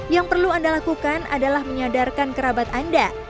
yang perlu anda lakukan adalah menyadarkan kerabat anda